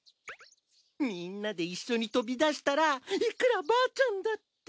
みんなで一緒に飛び出したらいくらばあちゃんだって。